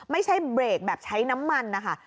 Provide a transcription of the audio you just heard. ไม่ใช่เบรกแบบใช้น้ำมันนะคะ